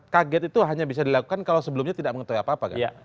kaget itu hanya bisa dilakukan kalau sebelumnya tidak mengetahui apa apa kan